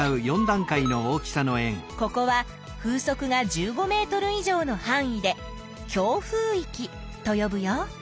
ここは風速が１５ｍ以上のはん囲で強風いきとよぶよ。